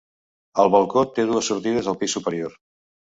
El balcó té dues sortides al pis superior.